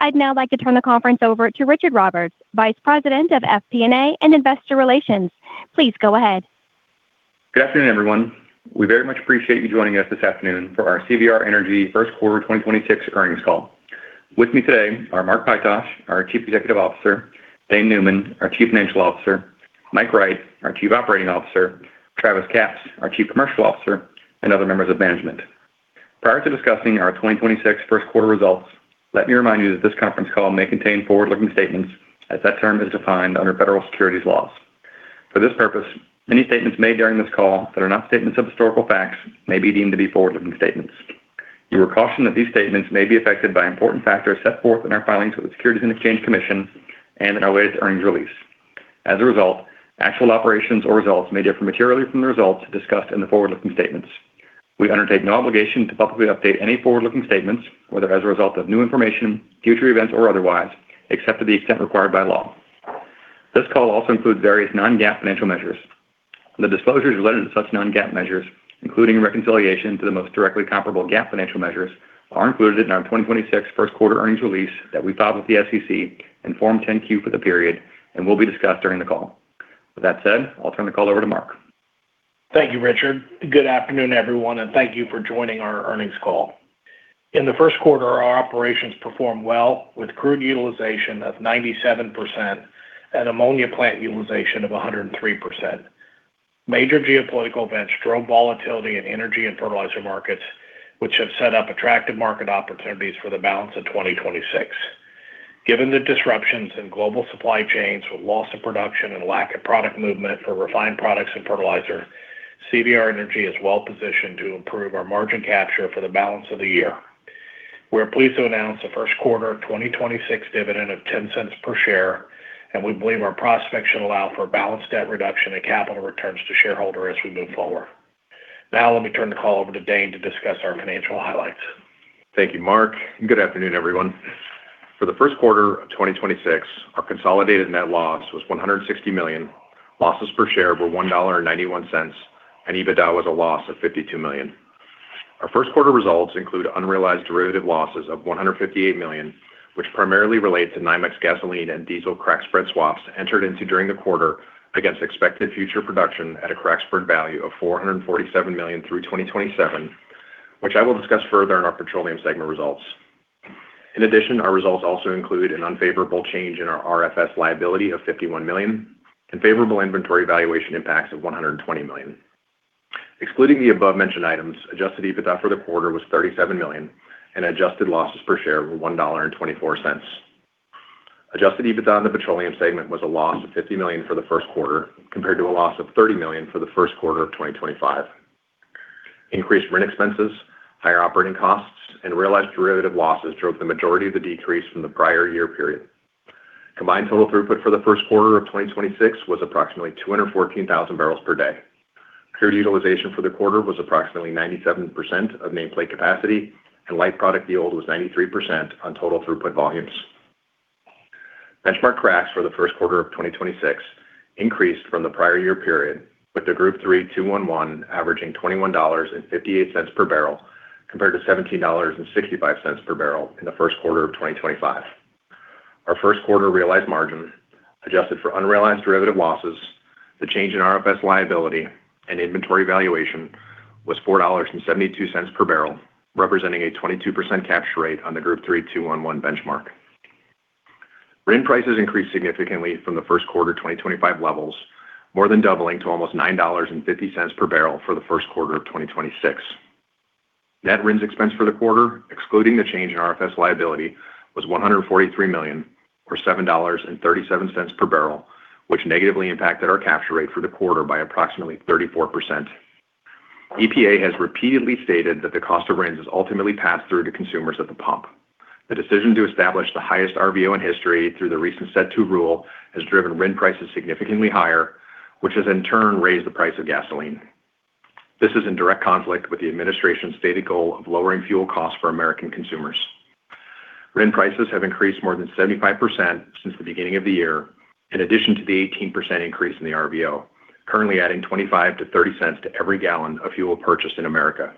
I'd now like to turn the conference over to Richard Roberts, Vice President of FP&A and Investor Relations. Please go ahead. Good afternoon, everyone. We very much appreciate you joining us this afternoon for our CVR Energy first quarter 2026 earnings call. With me today are Mark Pytosh, our Chief Executive Officer, Dane Neumann, our Chief Financial Officer, Mike Wright, our Chief Operating Officer, Travis Capps, our Chief Commercial Officer, and other members of management. Prior to discussing our 2026 first quarter results, let me remind you that this conference call may contain forward-looking statements as that term is defined under federal securities laws. For this purpose, any statements made during this call that are not statements of historical facts may be deemed to be forward-looking statements. You are cautioned that these statements may be affected by important factors set forth in our filings with the Securities and Exchange Commission and in our latest earnings release. As a result, actual operations or results may differ materially from the results discussed in the forward-looking statements. We undertake no obligation to publicly update any forward-looking statements, whether as a result of new information, future events, or otherwise, except to the extent required by law. This call also includes various non-GAAP financial measures. The disclosures relating to such non-GAAP measures, including reconciliation to the most directly comparable GAAP financial measures, are included in our 2026 first quarter earnings release that we filed with the SEC in Form 10-Q for the period and will be discussed during the call. With that said, I'll turn the call over to Mark. Thank you, Richard. Good afternoon, everyone, thank you for joining our earnings call. In the first quarter, our operations performed well with crude utilization of 97% and ammonia plant utilization of 103%. Major geopolitical events drove volatility in energy and fertilizer markets, which have set up attractive market opportunities for the balance of 2026. Given the disruptions in global supply chains with loss of production and lack of product movement for refined products and fertilizer, CVR Energy is well positioned to improve our margin capture for the balance of the year. We are pleased to announce the first quarter of 2026 dividend of $0.10 per share, we believe our prospects should allow for balanced debt reduction and capital returns to shareholder as we move forward. Now, let me turn the call over to Dane to discuss our financial highlights. Thank you, Mark. Good afternoon, everyone. For the first quarter of 2026, our consolidated net loss was $160 million. Losses per share were $1.91, and EBITDA was a loss of $52 million. Our first quarter results include unrealized derivative losses of $158 million, which primarily relate to NYMEX gasoline and diesel crack spread swaps entered into during the quarter against expected future production at a crack spread value of $447 million through 2027, which I will discuss further in our petroleum segment results. In addition, our results also include an unfavorable change in our RFS liability of $51 million and favorable inventory valuation impacts of $120 million. Excluding the above-mentioned items, Adjusted EBITDA for the quarter was $37 million, and adjusted losses per share were $1.24. Adjusted EBITDA in the petroleum segment was a loss of $50 million for the first quarter, compared to a loss of $30 million for the first quarter of 2025. Increased RIN expenses, higher operating costs, and realized derivative losses drove the majority of the decrease from the prior year period. Combined total throughput for the first quarter of 2026 was approximately 214,000 barrels per day. Crude utilization for the quarter was approximately 97% of nameplate capacity, and light product yield was 93% on total throughput volumes. Benchmark cracks for the first quarter of 2026 increased from the prior year period, with the Group 3-2-1 averaging $21.58 per barrel, compared to $17.65 per barrel in the first quarter of 2025. Our first quarter realized margin, adjusted for unrealized derivative losses, the change in RFS liability, and inventory valuation, was $4.72 per barrel, representing a 22% capture rate on the Group 3-2-1 benchmark. RIN prices increased significantly from the first quarter 2025 levels, more than doubling to almost $9.50 per barrel for the first quarter of 2026. Net RINs expense for the quarter, excluding the change in RFS liability, was $143 million, or $7.37 per barrel, which negatively impacted our capture rate for the quarter by approximately 34%. EPA has repeatedly stated that the cost of RINs is ultimately passed through to consumers at the pump. The decision to establish the highest RVO in history through the recent Set Rule has driven RIN prices significantly higher, which has in turn raised the price of gasoline. This is in direct conflict with the administration's stated goal of lowering fuel costs for American consumers. RIN prices have increased more than 75% since the beginning of the year, in addition to the 18% increase in the RVO, currently adding $0.25-$0.30 to every gallon of fuel purchased in America.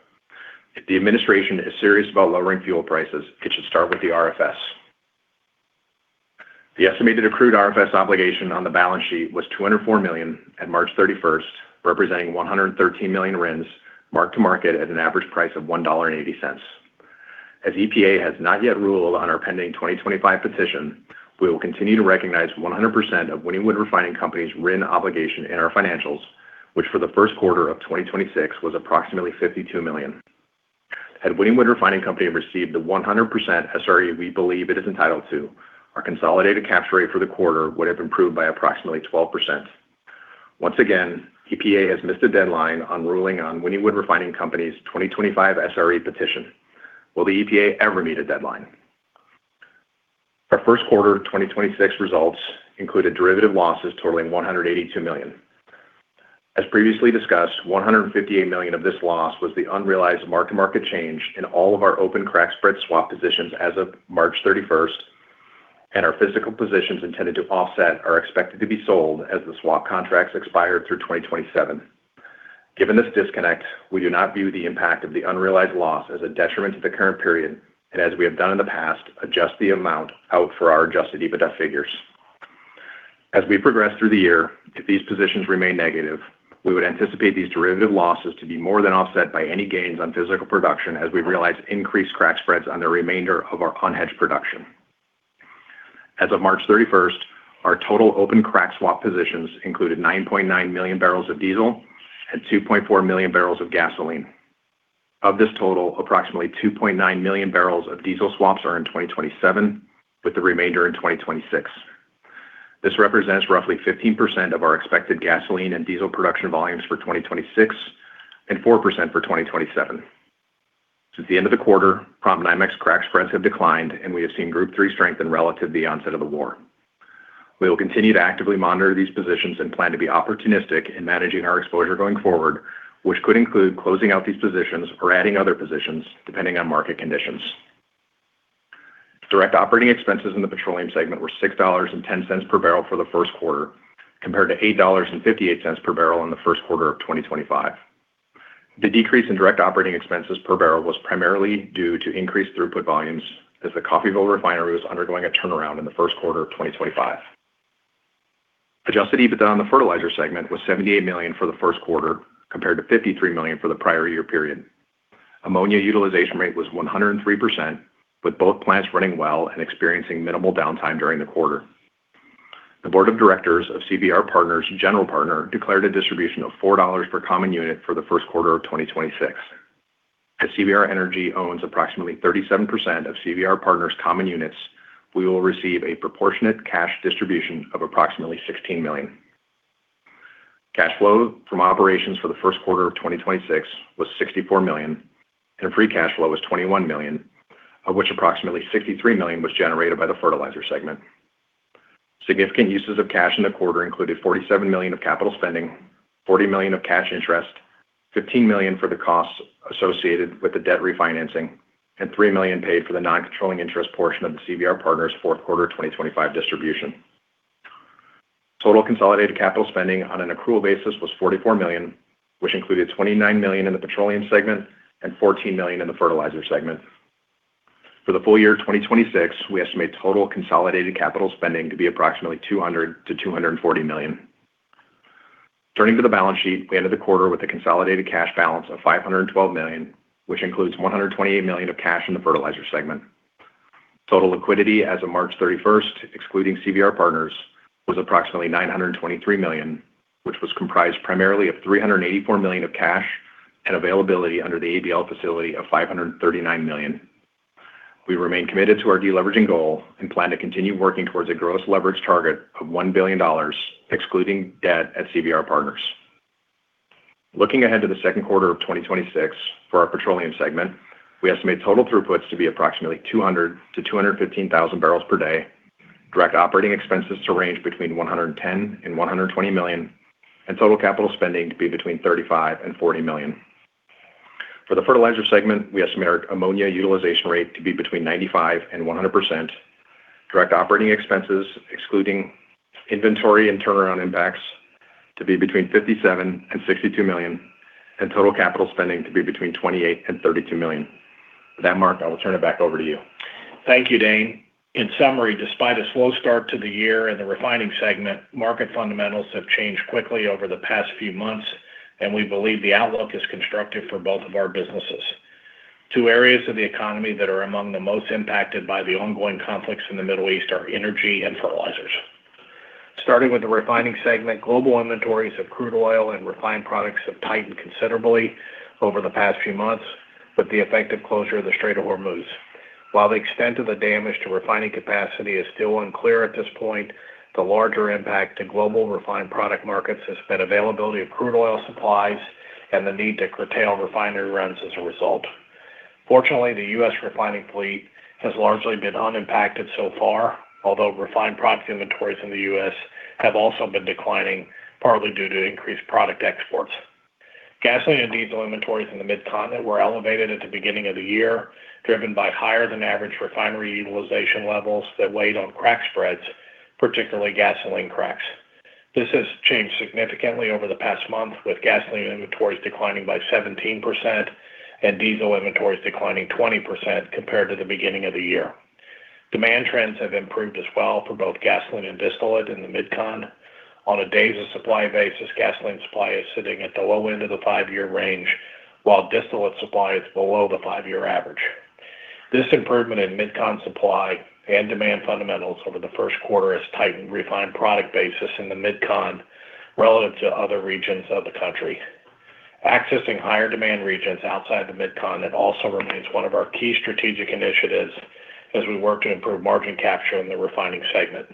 If the administration is serious about lowering fuel prices, it should start with the RFS. The estimated accrued RFS obligation on the balance sheet was $204 million at March 31st, representing 113 million RINs marked to market at an average price of $1.80. As EPA has not yet ruled on our pending 2025 petition, we will continue to recognize 100% of Wynnewood Refining Company's RIN obligation in our financials, which for the first quarter of 2026 was approximately $52 million. Had Wynnewood Refining Company received the 100% SRE we believe it is entitled to, our consolidated capture rate for the quarter would have improved by approximately 12%. Once again, EPA has missed a deadline on ruling on Wynnewood Refining Company's 2025 SRE petition. Will the EPA ever meet a deadline? Our first quarter 2026 results included derivative losses totaling $182 million. As previously discussed, $158 million of this loss was the unrealized mark-to-market change in all of our open crack spread swap positions as of March 31st, and our physical positions intended to offset are expected to be sold as the swap contracts expire through 2027. Given this disconnect, we do not view the impact of the unrealized loss as a detriment to the current period, and as we have done in the past, adjust the amount out for our Adjusted EBITDA figures. As we progress through the year, if these positions remain negative, we would anticipate these derivative losses to be more than offset by any gains on physical production as we realize increased crack spreads on the remainder of our unhedged production. As of March 31st, our total open crack swap positions included 9.9 million barrels of diesel and 2.4 million barrels of gasoline. Of this total, approximately 2.9 million barrels of diesel swaps are in 2027, with the remainder in 2026. This represents roughly 15% of our expected gasoline and diesel production volumes for 2026 and 4% for 2027. Since the end of the quarter, prompt NYMEX crack spreads have declined, and we have seen Group 3 strengthen relative to the onset of the war. We will continue to actively monitor these positions and plan to be opportunistic in managing our exposure going forward, which could include closing out these positions or adding other positions depending on market conditions. Direct operating expenses in the petroleum segment were $6.10 per barrel for the first quarter, compared to $8.58 per barrel in the first quarter of 2025. The decrease in direct operating expenses per barrel was primarily due to increased throughput volumes as the Coffeyville refinery was undergoing a turnaround in the first quarter of 2025. Adjusted EBITDA on the fertilizer segment was $78 million for the first quarter, compared to $53 million for the prior year period. Ammonia utilization rate was 103%, with both plants running well and experiencing minimal downtime during the quarter. The board of directors of CVR Partners general partner declared a distribution of $4 per common unit for the first quarter of 2026. As CVR Energy owns approximately 37% of CVR Partners common units, we will receive a proportionate cash distribution of approximately $16 million. Cash flow from operations for the first quarter of 2026 was $64 million, and free cash flow was $21 million, of which approximately $63 million was generated by the fertilizer segment. Significant uses of cash in the quarter included $47 million of capital spending, $40 million of cash interest, $15 million for the costs associated with the debt refinancing, and $3 million paid for the non-controlling interest portion of the CVR Partners' fourth quarter of 2025 distribution. Total consolidated capital spending on an accrual basis was $44 million, which included $29 million in the petroleum segment and $14 million in the fertilizer segment. For the full year of 2026, we estimate total consolidated capital spending to be approximately $200 million-$240 million. Turning to the balance sheet, we ended the quarter with a consolidated cash balance of $512 million, which includes $128 million of cash in the fertilizer segment. Total liquidity as of March 31st, excluding CVR Partners, was approximately $923 million, which was comprised primarily of $384 million of cash and availability under the ABL facility of $539 million. We remain committed to our deleveraging goal and plan to continue working towards a gross leverage target of $1 billion, excluding debt at CVR Partners. Looking ahead to the second quarter of 2026 for our petroleum segment, we estimate total throughputs to be approximately 200,000-215,000 barrels per day, direct operating expenses to range between $110 million and $120 million, and total capital spending to be between $35 million and $40 million. For the fertilizer segment, we estimate our ammonia utilization rate to be between 95% and 100%, direct operating expenses excluding inventory and turnaround impacts to be between $57 million and $62 million, and total capital spending to be between $28 million and $32 million. With that, Mark, I will turn it back over to you. Thank you, Dane. In summary, despite a slow start to the year in the refining segment, market fundamentals have changed quickly over the past few months. We believe the outlook is constructive for both of our businesses. Two areas of the economy that are among the most impacted by the ongoing conflicts in the Middle East are energy and fertilizers. Starting with the refining segment, global inventories of crude oil and refined products have tightened considerably over the past few months with the effective closure of the Strait of Hormuz. While the extent of the damage to refining capacity is still unclear at this point, the larger impact to global refined product markets has been availability of crude oil supplies and the need to curtail refinery runs as a result. Fortunately, the U.S. refining fleet has largely been unimpacted so far, although refined product inventories in the U.S. have also been declining, partly due to increased product exports. Gasoline and diesel inventories in the Mid-Continent were elevated at the beginning of the year, driven by higher than average refinery utilization levels that weighed on crack spreads, particularly gasoline cracks. This has changed significantly over the past month, with gasoline inventories declining by 17% and diesel inventories declining 20% compared to the beginning of the year. Demand trends have improved as well for both gasoline and distillate in the Mid Con. On a days of supply basis, gasoline supply is sitting at the low end of the five-year range, while distillate supply is below the five-year average. This improvement in Mid Con supply and demand fundamentals over the first quarter has tightened refined product basis in the Mid Con relative to other regions of the country. Accessing higher demand regions outside the Mid Con, it also remains one of our key strategic initiatives as we work to improve margin capture in the refining segment.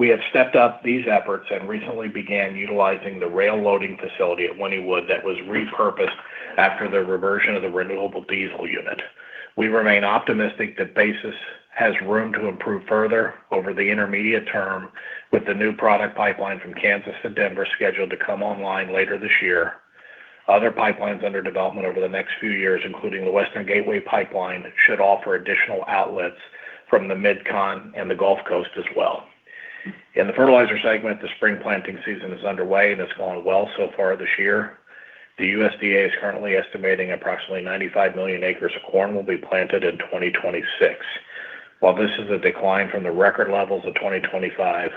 We have stepped up these efforts and recently began utilizing the rail loading facility at Wynnewood that was repurposed after the reversion of the renewable diesel unit. We remain optimistic that basis has room to improve further over the intermediate term with the new product pipeline from Kansas to Denver scheduled to come online later this year. Other pipelines under development over the next few years, including the Western Gateway Pipeline, should offer additional outlets from the Mid Con and the Gulf Coast as well. In the fertilizer segment, the spring planting season is underway and it's going well so far this year. The USDA is currently estimating approximately 95 million acres of corn will be planted in 2026. While this is a decline from the record levels of 2025,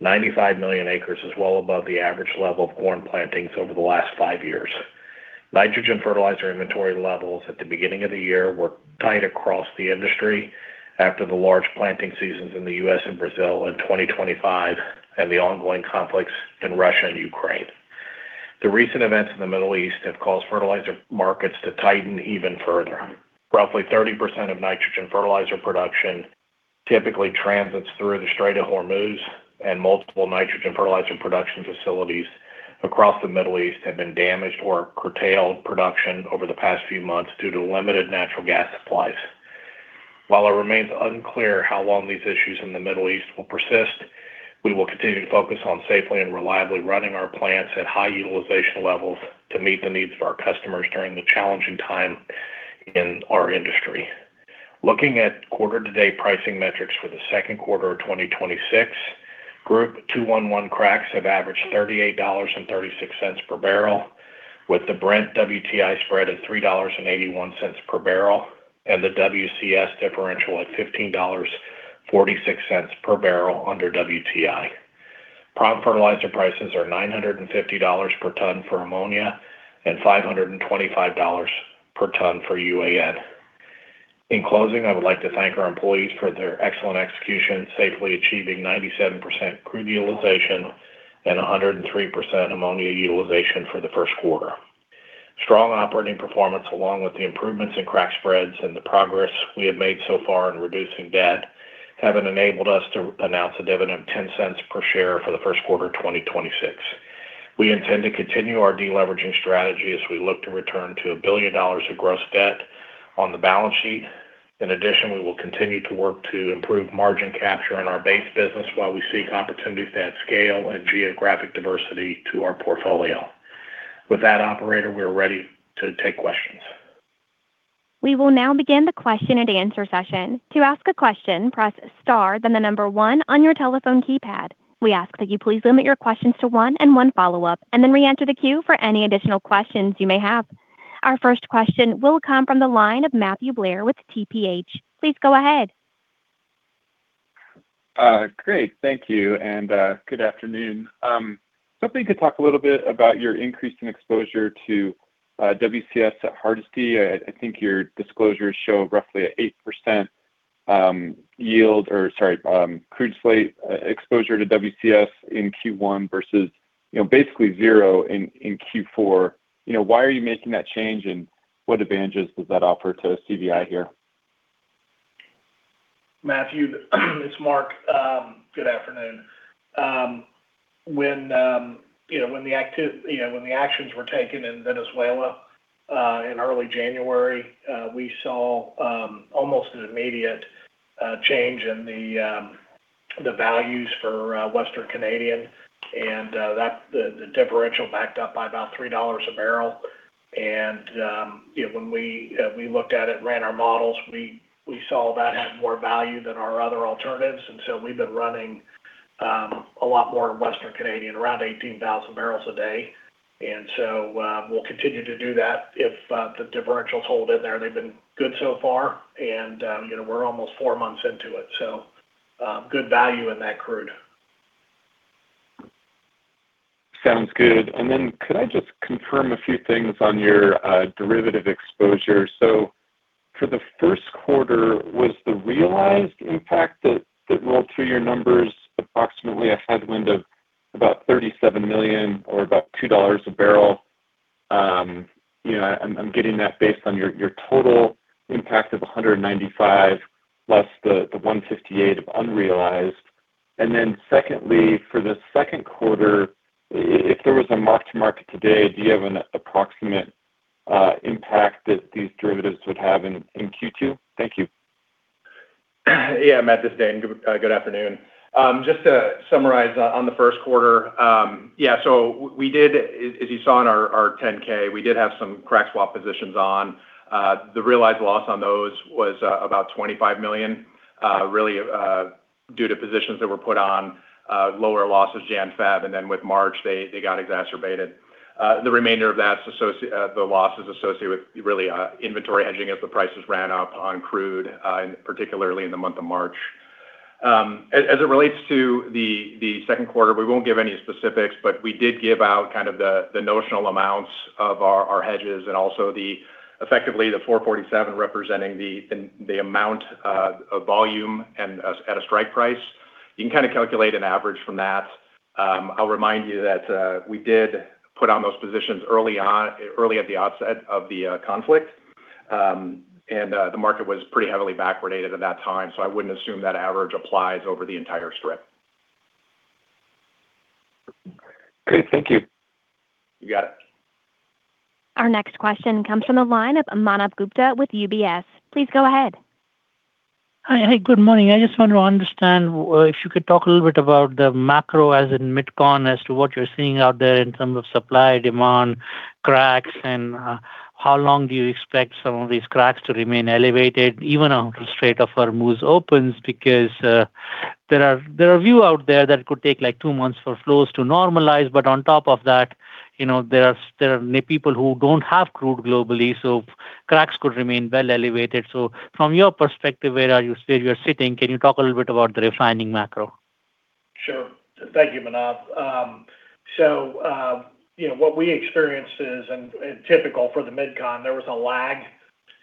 95 million acres is well above the average level of corn plantings over the last 5 years. Nitrogen fertilizer inventory levels at the beginning of the year were tight across the industry after the large planting seasons in the U.S. and Brazil in 2025 and the ongoing conflicts in Russia and Ukraine. The recent events in the Middle East have caused fertilizer markets to tighten even further. Roughly 30% of nitrogen fertilizer production typically transits through the Strait of Hormuz, and multiple nitrogen fertilizer production facilities across the Middle East have been damaged or curtailed production over the past few months due to limited natural gas supplies. While it remains unclear how long these issues in the Middle East will persist, we will continue to focus on safely and reliably running our plants at high utilization levels to meet the needs of our customers during the challenging time in our industry. Looking at quarter-to-date pricing metrics for the 2Q 2026, Group 3-2-1 cracks have averaged $38.36 per barrel, with the Brent WTI spread at $3.81 per barrel and the WCS differential at $15.46 per barrel under WTI. Prompt fertilizer prices are $950 per ton for ammonia and $525 per ton for UAN. In closing, I would like to thank our employees for their excellent execution, safely achieving 97% crude utilization and 103% ammonia utilization for the first quarter. Strong operating performance, along with the improvements in crack spreads and the progress we have made so far in reducing debt, have enabled us to announce a dividend of $0.10 per share for the first quarter of 2026. We intend to continue our deleveraging strategy as we look to return to $1 billion of gross debt on the balance sheet. In addition, we will continue to work to improve margin capture in our base business while we seek opportunities to add scale and geographic diversity to our portfolio. With that, operator, we are ready to take questions. We will now begin the question-and-answer session. To ask a question, press star, then the number one on your telephone keypad. We ask that you please limit your questions to one and one follow-up, and then reenter the queue for any additional questions you may have. Our first question will come from the line of Matthew Blair with TPH. Please go ahead. Great. Thank you, good afternoon. If you could talk a little bit about your increase in exposure to WCS at Hardisty. I think your disclosures show roughly an 8%, yield or sorry, crude slate exposure to WCS in Q1 versus, you know, basically zero in Q4. You know, why are you making that change, and what advantages does that offer to CVI here? Matthew, it's Mark. Good afternoon. When, you know, when the actions were taken in Venezuela, in early January, we saw almost an immediate change in the values for Western Canadian and that the differential backed up by about $3 a barrel. You know, when we looked at it, ran our models, we saw that had more value than our other alternatives. We've been running a lot more Western Canadian, around 18,000 barrels a day. We'll continue to do that if the differentials hold in there. They've been good so far and, you know, we're almost four months into it, so good value in that crude. Sounds good. Could I just confirm a few things on your derivative exposure? For the first quarter, was the realized impact that rolled through your numbers approximately a headwind of about $37 million or about $2 a barrel? You know, I'm getting that based on your total impact of $195 million less the $158 million of unrealized. Secondly, for the second quarter, if there was a mark to market today, do you have an approximate impact that these derivatives would have in Q2? Thank you. Matthew, this is Dane Neumann. Good afternoon. Just to summarize on the first quarter. We did, as you saw in our 10-K, we did have some crack spread positions on. The realized loss on those was about $25 million, really due to positions that were put on, lower losses Jan Feb, and then with March, they got exacerbated. The remainder of that's the loss is associated with really inventory hedging as the prices ran up on crude, and particularly in the month of March. As it relates to the second quarter, we won't give any specifics, but we did give out kind of the notional amounts of our hedges and also the effectively the 447 representing the amount of volume and at a strike price. You can kind of calculate an average from that. I'll remind you that we did put on those positions early on, early at the outset of the conflict. The market was pretty heavily backwardated at that time, so I wouldn't assume that average applies over the entire strip. Great. Thank you. You got it. Our next question comes from the line of Manav Gupta with UBS. Please go ahead. Hi. Hey, good morning. I just want to understand if you could talk a little bit about the macro as in Mid Con as to what you're seeing out there in terms of supply, demand, cracks, and how long do you expect some of these cracks to remain elevated even after Strait of Hormuz opens? There are a few out there that could take like two months for flows to normalize, but on top of that, you know, there are many people who don't have crude globally, so cracks could remain well elevated. From your perspective, where are you sitting, can you talk a little bit about the refining macro? Sure. Thank you, Manav. You know, what we experienced is, and typical for the Mid Con, there was a lag.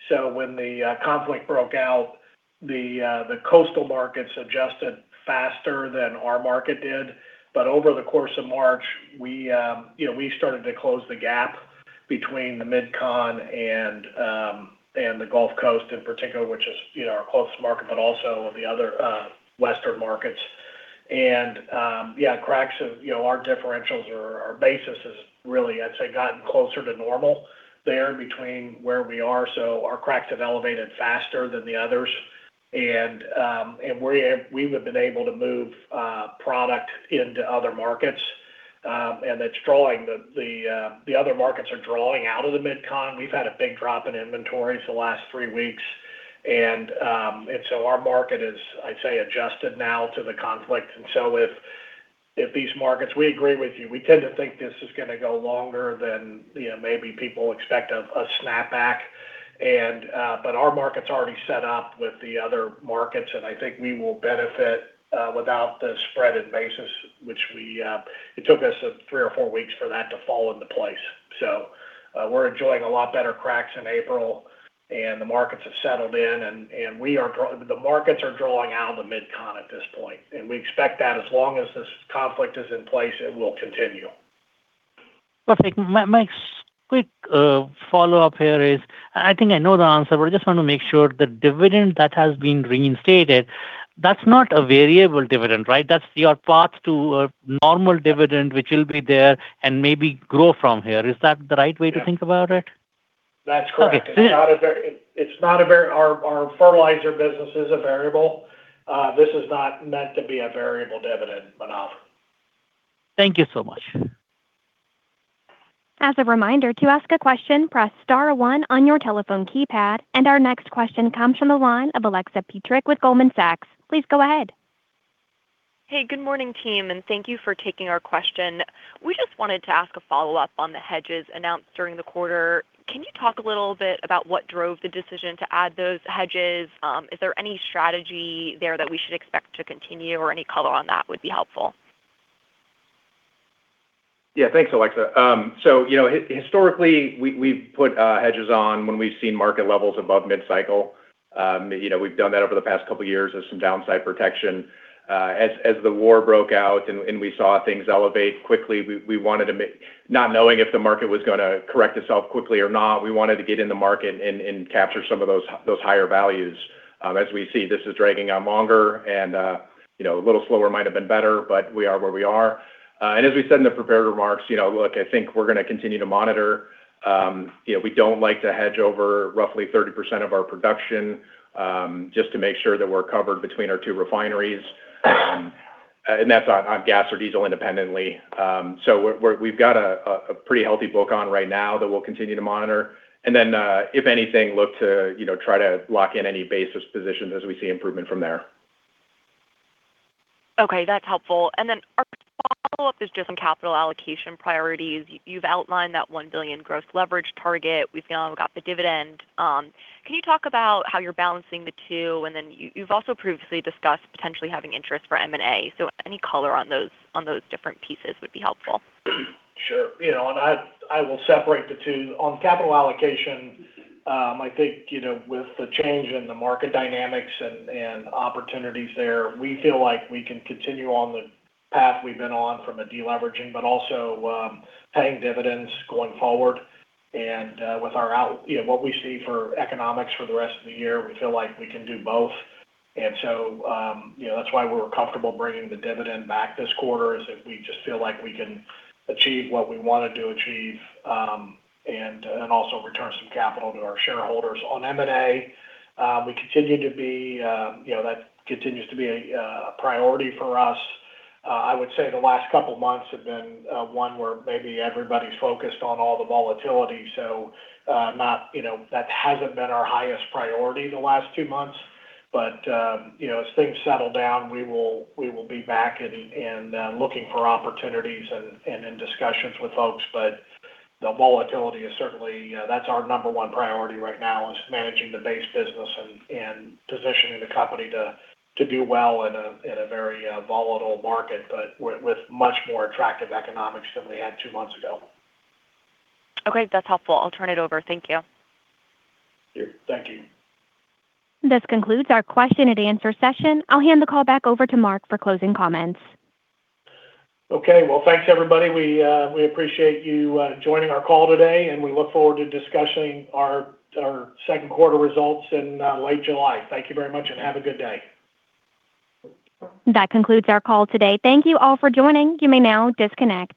When the conflict broke out, the coastal markets adjusted faster than our market did. Over the course of March, we, you know, we started to close the gap between the Mid Con and the Gulf Coast in particular, which is, you know, our closest market, but also the other western markets. Cracks have, you know, our differentials or our basis has really, I'd say, gotten closer to normal there between where we are. Our cracks have elevated faster than the others. We have been able to move product into other markets, and it's drawing, the other markets are drawing out of the Mid Con. We've had a big drop in inventory for the last three weeks. Our market is, I'd say, adjusted now to the conflict. We agree with you. We tend to think this is gonna go longer than, you know, maybe people expect a snap back. Our market's already set up with the other markets, and I think we will benefit without the spread and basis which we, it took us three or four weeks for that to fall into place. We're enjoying a lot better cracks in April, and the markets have settled in and are drawing out of the Mid Con at this point. We expect that as long as this conflict is in place, it will continue. Perfect. My quick follow-up here is, I think I know the answer, but I just want to make sure the dividend that has been reinstated, that's not a variable dividend, right? That's your path to a normal dividend, which will be there and maybe grow from here. Is that the right way to think about it? That's correct. Okay. Yeah. Our fertilizer business is a variable. This is not meant to be a variable dividend, Manav. Thank you so much. As a reminder, to ask a question, press star one on your telephone keypad. Our next question comes from the line of Alexa Petrick with Goldman Sachs. Please go ahead. Hey, good morning, team, and thank you for taking our question. We just wanted to ask a follow-up on the hedges announced during the quarter. Can you talk a little bit about what drove the decision to add those hedges? Is there any strategy there that we should expect to continue or any color on that would be helpful? Yeah. Thanks, Alexa. You know, historically, we've put hedges on when we've seen market levels above mid-cycle. You know, we've done that over the past couple of years as some downside protection. As the war broke out and we saw things elevate quickly, Not knowing if the market was gonna correct itself quickly or not, we wanted to get in the market and capture some of those higher values. As we see, this is dragging on longer and, you know, a little slower might have been better, but we are where we are. As we said in the prepared remarks, you know, look, I think we're gonna continue to monitor. You know, we don't like to hedge over roughly 30% of our production, just to make sure that we're covered between our two refineries. That's on gas or diesel independently. We've got a pretty healthy book on right now that we'll continue to monitor. If anything, look to, you know, try to lock in any basis positions as we see improvement from there. Okay, that's helpful. Our follow-up is just on capital allocation priorities. You've outlined that $1 billion gross leverage target. We've now got the dividend. Can you talk about how you're balancing the two? You've also previously discussed potentially having interest for M&A. Any color on those different pieces would be helpful. Sure. I will separate the two. On capital allocation, I think with the change in the market dynamics and opportunities there, we feel like we can continue on the path we've been on from a deleveraging, but also paying dividends going forward. With what we see for economics for the rest of the year, we feel like we can do both. That's why we're comfortable bringing the dividend back this quarter is that we just feel like we can achieve what we wanted to achieve and also return some capital to our shareholders. On M&A, we continue to be, that continues to be a priority for us. I would say the last couple of months have been one where maybe everybody's focused on all the volatility. Not, you know, that hasn't been our highest priority the last two months. You know, as things settle down, we will be back and looking for opportunities and in discussions with folks. The volatility is certainly that's our number one priority right now is managing the base business and positioning the company to do well in a very volatile market, but with much more attractive economics than we had two months ago. Okay. That's helpful. I'll turn it over. Thank you. Sure. Thank you. This concludes our question and answer session. I'll hand the call back over to Mark for closing comments. Okay. Well, thanks, everybody. We, we appreciate you joining our call today, and we look forward to discussing our second quarter results in late July. Thank you very much, and have a good day. That concludes our call today. Thank you all for joining. You may now disconnect.